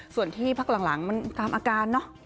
ส่วนที่พักหลังมันตามอาการเนอะ